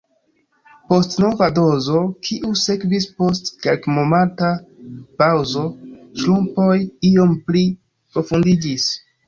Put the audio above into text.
Post nova dozo, kiu sekvis post kelkmonata paŭzo, ŝrumpoj iom pli profundiĝis.